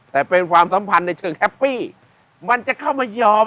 แต่เป็นความสัมพันธ์ในเชิงแฮปปี้มันจะเข้ามายอม